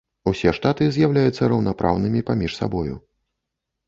Усе штаты з'яўляюцца раўнапраўнымі паміж сабою.